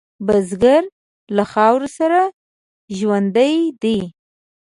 بزګر له خاورو سره ژوندی دی